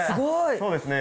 そうですね。